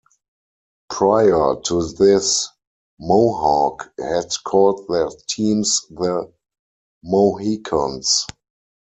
Prior to this, Mohawk had called their teams the "Mohicans".